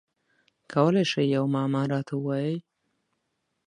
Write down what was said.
کولای شی یوه معما راته ووایی؟